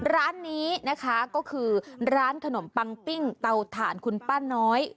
ร้านนี้นะคะก็คือร้านขนมปังปิ้งเตาถ่านคุณป้าน้อย